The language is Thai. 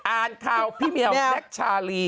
อ่านข่าวพี่เมียวแน็กชาลี